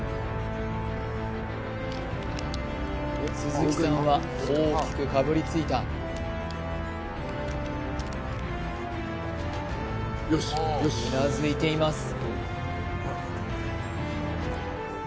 鈴木さんは大きくかぶりついたうなずいています